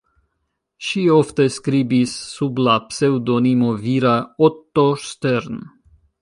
Ŝi ofte skribis sub la pseŭdonimo vira "Otto Stern".